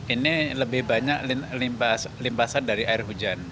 ini lebih banyak limpasan dari air hujan